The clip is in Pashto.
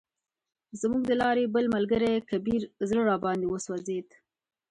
زموږ د لارې بل ملګری کبیر زړه راباندې وسوځید.